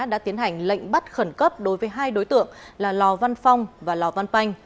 đã tiến hành lệnh bắt khẩn cấp đối với hai đối tượng là lò văn phong và lò văn banh